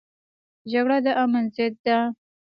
جګړه د امن ضد ده